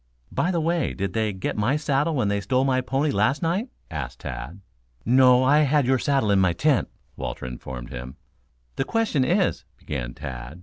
By the way, did they get my saddle when they stole my pony last night?" asked Tad. "No, I had your saddle in my tent," Walter informed him. "The question is " began Tad.